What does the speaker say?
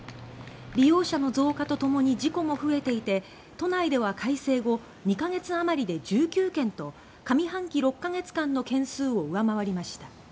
利用者の増加とともに事故も増えていて都内では改正後、２か月あまりで１９件と上半期６か月間の件数を上回りました。